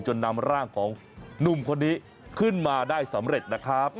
นำร่างของหนุ่มคนนี้ขึ้นมาได้สำเร็จนะครับ